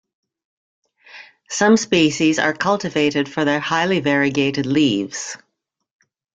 Some species are cultivated for their highly variegated leaves.